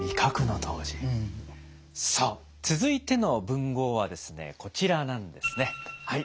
さあ続いての文豪はですねこちらなんですね。